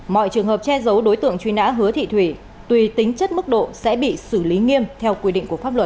mọi trường hợp che giấu đối tượng truy nã hứa thị thủy tùy tính chất mức độ sẽ bị xử lý nghiêm theo quy định của pháp luật